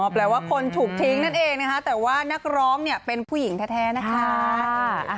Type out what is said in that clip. แปลว่าคนถูกทิ้งนั่นเองนะคะแต่ว่านักร้องเนี่ยเป็นผู้หญิงแท้นะคะ